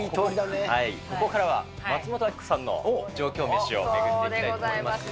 ここからは、松本明子さんの上京メシを巡っていきたいと思いますが。